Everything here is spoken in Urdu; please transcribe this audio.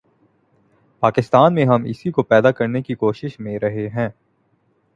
پاکستان میں ہم اسی کو پیدا کرنے کی کوشش میں رہے ہیں۔